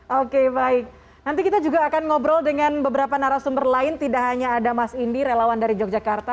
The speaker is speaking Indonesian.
oke baik nanti kita juga akan ngobrol dengan beberapa narasumber lain tidak hanya ada mas indi relawan dari yogyakarta